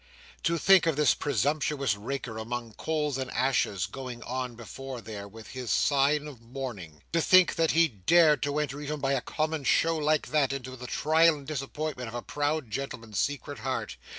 To think of this presumptuous raker among coals and ashes going on before there, with his sign of mourning! To think that he dared to enter, even by a common show like that, into the trial and disappointment of a proud gentleman's secret heart!